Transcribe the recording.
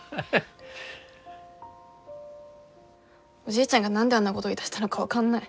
おじいちゃんが何であんなごど言いだしたのか分かんない。